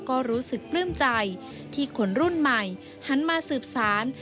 ก็รู้สึกปลื้มใจที่คนรุ่นใหม่หันมาสืบสาร